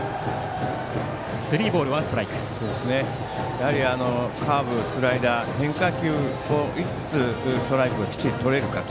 やはりカーブ、スライダー変化球で、いくつストライクをきちんととれるか。